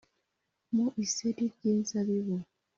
“mu iseri ry’inzabibu”